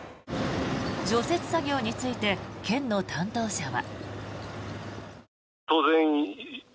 除雪作業について県の担当者は。